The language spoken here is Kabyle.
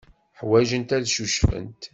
Ḥwajent ad ccucfent.